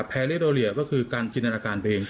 แพลริโดเรียก็คือการกินตนาการตัวเอง